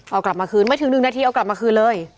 เอากลับมาคืนไม่ถึง๑นาทีเอากลับมาคืนเลย